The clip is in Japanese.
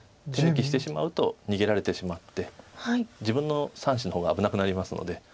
手抜きしてしまうと逃げられてしまって自分の３子の方が危なくなりますので。